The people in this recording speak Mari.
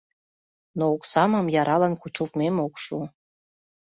Но оксамым яралан кучылтмем ок шу.